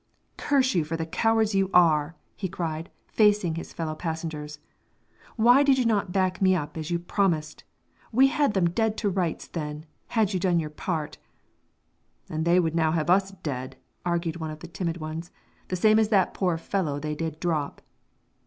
"Curse you for the cowards you are!" he cried, facing his fellow passengers. "Why did you not back me up as you promised? We had them dead to rights then, had you but done your part!" "And they would now have us dead," argued one of the timid ones, "the same as that poor fellow they did drop."